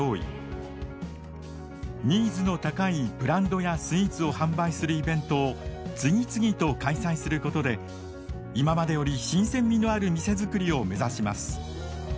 ニーズの高いブランドやスイーツを販売するイベントを次々と開催することで今までより新鮮味のある店づくりを目指します。